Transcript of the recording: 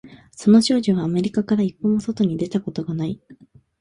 その少女はアメリカから一歩も外に出たことがない